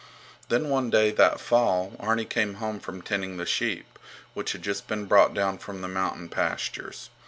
Then one day that fall, Arni came home from tending the sheep, which had just been brought down from the mountain pastures.